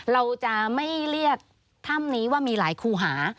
เราจะไม่เรียกถ้ำนี้ว่ามีหลายครูหา